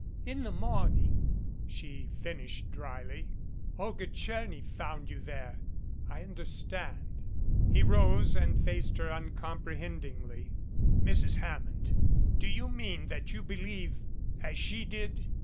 "In the morning," she finished dryly, "Olga Tcherny found you there. I understand." He rose and faced her uncomprehendingly. "Mrs. Hammond, do you mean that you believe as she did?"